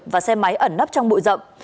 và xe máy ẩn nấp trong bụi rậm